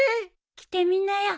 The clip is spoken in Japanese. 着てみなよ